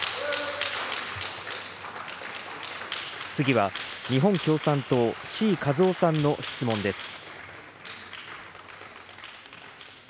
次は、日本共産党、志位和夫さんの質問です。